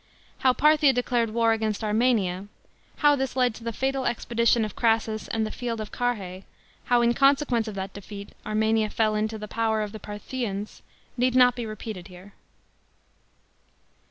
How Parthia declared war against Armenia, how th?s led to the fatal expedition of Crassus and the field of Carrhse, how in consequence of that defeat, Armenia fell into the power of the Parthians, need not be repeated here.